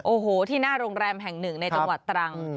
โอ้โหที่หน้าโรงแรมแห่งหนึ่งในจังหวัดตรัง